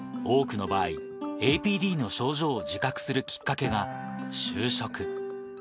多くの場合、ＡＰＤの症状を自覚するきっかけが、就職。